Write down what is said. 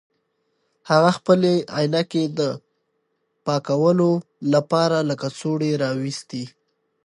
هغه خپلې عینکې د پاکولو لپاره له کڅوړې راویستې.